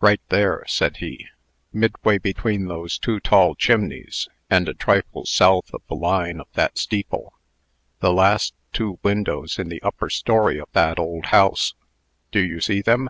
"Right there," said he, "midway between those two tall chimneys, and a trifle south of the line of that steeple the last two windows in the upper story of that old house do you see them?"